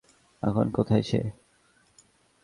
এখন কোথায় সে?